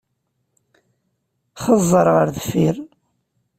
Xeẓẓeṛ ar deffir!